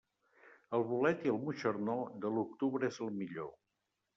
El bolet i el moixernó, de l'octubre és el millor.